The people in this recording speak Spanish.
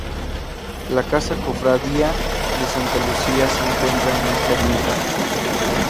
La Casa Cofradía de Santa Lucía se encuentra en esta ermita.